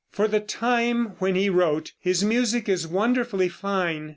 For the time when he wrote, his music is wonderfully fine.